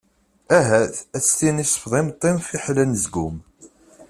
Ahat! ad as-tini sfeḍ imeṭṭi-m fiḥel anezgum.